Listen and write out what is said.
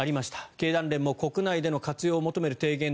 経団連も国内での活用を求める提言を